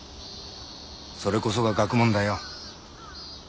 それこそが学問だよ。